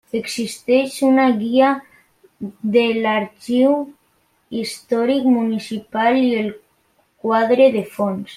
Existeix una guia de l'arxiu històric municipal i el quadre de fons.